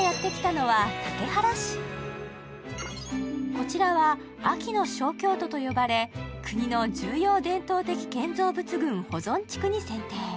こちらは安芸の小京都と呼ばれ、国の重要伝統的建造物群保存地区に選定。